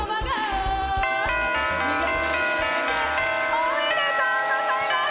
おめでとうございます！